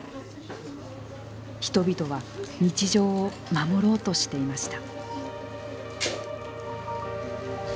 人々は日常を守ろうとしていました。